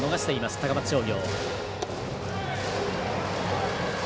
高松商業。